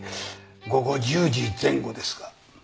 午後１０時前後ですが。